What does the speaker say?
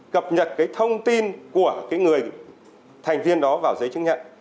cập nhật cái thông tin của người thành viên đó vào giấy chứng nhận